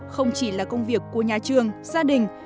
không chỉ là công việc của nhà trường gia đình